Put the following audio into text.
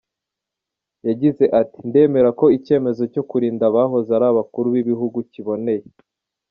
Yagize ati “Ndemera ko icyemezo cyo kurinda abahoze ari abakuru b’ibihugu kiboneye.